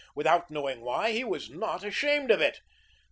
Without knowing why, he was not ashamed of it.